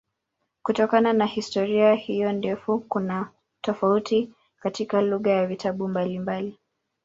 Kutokana na historia hiyo ndefu kuna tofauti katika lugha ya vitabu mbalimbali.